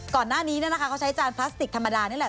ก่อนหน้านี้เขาใช้จานพลาสติกธรรมดานี่แหละ